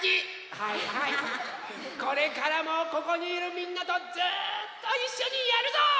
はいはいこれからもここにいるみんなとずっといっしょにやるぞ！